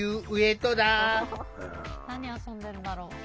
何遊んでんだろう。